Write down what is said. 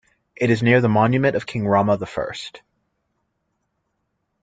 It is near "The Monument of King Rama the First".